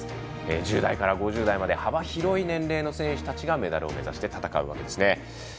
１０代から５０代まで幅広い年齢の選手たちがメダルを目指して戦うんですね。